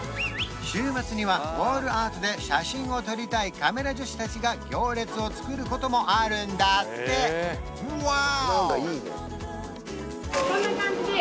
週末にはウォールアートで写真を撮りたいカメラ女子達が行列を作ることもあるんだってワオ！